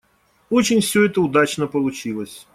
Очень все это удачно получилось.